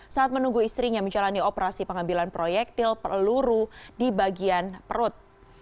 saat menunggu istrinya menjalani operasi pengambilan proyektil peluru di bagian perut